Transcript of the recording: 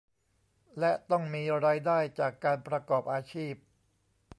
และต้องมีรายได้จากการประกอบอาชีพ